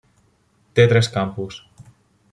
Té tres campus.